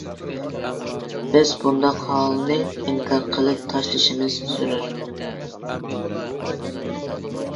بىز بۇنداق ھالنى ئىنكار قىلىپ تاشلىشىمىز زۆرۈر.